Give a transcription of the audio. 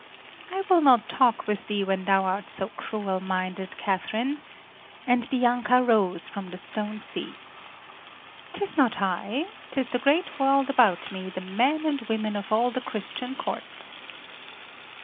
"I will not talk with thee when thou art so cruel minded, Catherine," and Bianca rose from the stone seat. "'Tis not I. 'Tis the great world about me, the men and women of all the Christian courts.